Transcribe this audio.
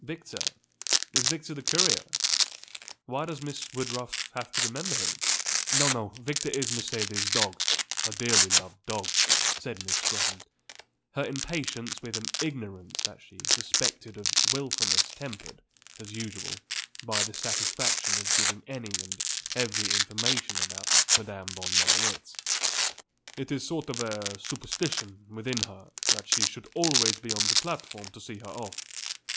"Victor? Is Victor the courier? Why does Miss Woodruff have to remember him?" "No, no. Victor is Mercedes's dog, her dearly loved dog," said Miss Scrotton, her impatience with an ignorance that she suspected of wilfulness tempered, as usual, by the satisfaction of giving any and every information about Madame von Marwitz. "It is a sort of superstition with her that he should always be on the platform to see her off.